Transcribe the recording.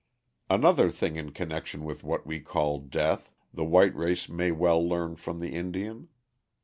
Another thing in connection with what we call death, the white race may well learn from the Indian.